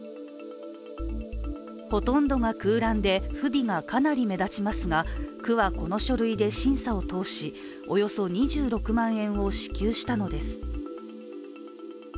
ほとんどが空欄で不備がかなり目立ちますが区はこの書類で審査を通しおよそ２６万円を支給したのです。